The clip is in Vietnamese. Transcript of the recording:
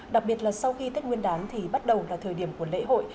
đặc biệt là sau khi tết nguyên đán thì bắt đầu là thời điểm của lễ hội